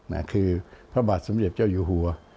นั่นคือพระบาทสมเด็จเจ้าอยู่หัว